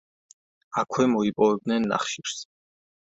აქვე მოიპოვებდნენ ნახშირს.